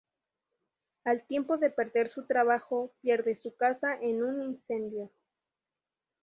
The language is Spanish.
Al tiempo de perder su trabajo, pierde su casa en un incendio.